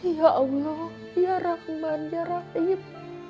ya allah ya rahman ya raib